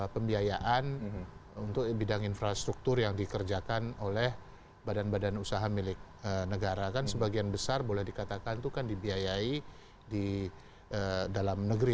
pembiayaan untuk bidang infrastruktur yang dikerjakan oleh badan badan usaha milik negara kan sebagian besar boleh dikatakan itu kan dibiayai di dalam negeri